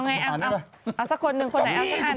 เอาไงเอาเอาสักคนหนึ่งคนไหนเอาสักอัน